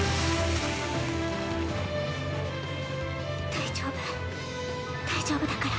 大丈夫大丈夫だから。